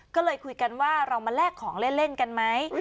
ก็เลยคุยกันว่าเรามาแลกของเล่นกันไหม